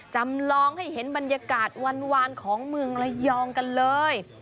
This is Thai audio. จำลองให้เห็นบรรยากาศวานของเมืองระยองกันเลย